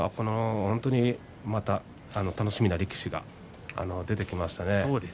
また楽しみな力士が出てきましたね。